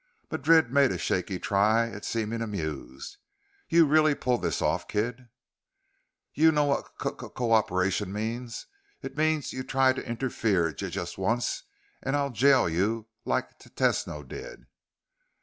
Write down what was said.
Madrid made a shaky try at seeming amused. "You really pulled this off, kid?" "You know what c co operation means? It means you try to interfere j just once and I'll jail you like T Tesno did."